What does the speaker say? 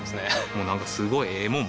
もうなんかすごいええもん